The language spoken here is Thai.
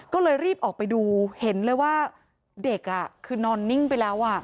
ก็เลยรีบออกไปดูเห็นเลยว่าเด็กคือนอนนิ่งไปแล้ว